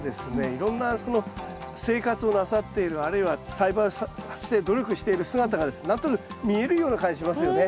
いろんなその生活をなさっているあるいは栽培をして努力している姿がですね何となく見えるような感じしますよね。